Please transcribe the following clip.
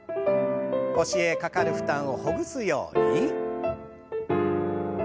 腰へかかる負担をほぐすように。